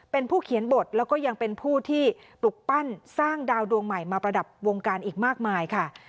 เป็นผู้เขียนบทแล้วก็ยังเป็นผู้ที่ปลุกปั้นสร้างดาวดวงใหม่มาประดับวงการอีกมากมายค่ะ